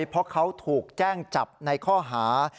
เพราะเขาถูกแจ้งจับในข้อหา